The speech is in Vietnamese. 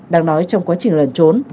đang nói trong quá trình lần trốn